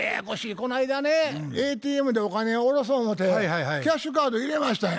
こないだねＡＴＭでお金を下ろそ思てキャッシュカード入れましたんや。